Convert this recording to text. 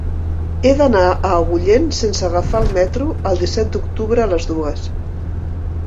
He d'anar a Agullent sense agafar el metro el disset d'octubre a les dues.